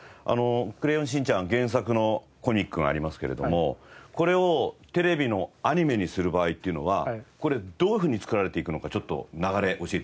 『クレヨンしんちゃん』は原作のコミックがありますけれどもこれをテレビのアニメにする場合っていうのはどういうふうに作られていくのかちょっと流れ教えて頂けますか？